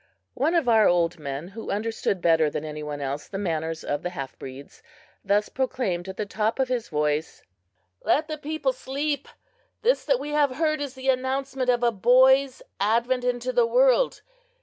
One of our old men, who understood better than any one else the manners of the half breeds, thus proclaimed at the top of his voice: "Let the people sleep! This that we have heard is the announcement of a boy's advent into the world!